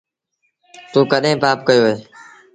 تو ڪڏهيݩ پآپ ڪيو اهي۔